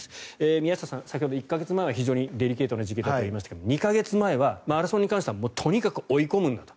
宮下さん、先ほど１か月前はデリケートだと言いましたが２か月前はマラソンに関してはとにかく追い込むんだと。